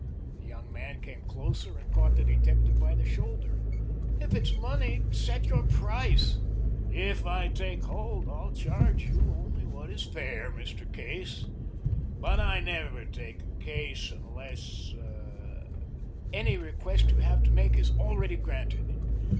The young man came closer and caught the detective by the shoulder. "If it's money, set your price." "If I take hold, I'll charge you only what is fair, Mr. Case. But I never take a case, unless " "Any request you have to make is already granted."